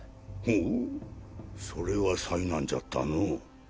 ほうそれは災難じゃったのう。